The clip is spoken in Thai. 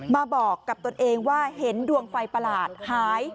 มาบอกกับตนเองว่าเห็นดวงไฟประหลาดหาย